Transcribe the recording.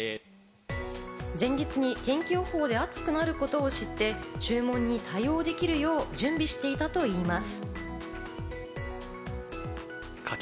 前日に天気予報で暑くなることを知って、注文に対応できるよう準備していたといいます。